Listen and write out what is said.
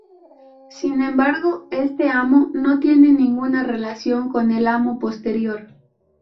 Sin embargo, este "Amo" no tiene ninguna relación con el Amo posterior.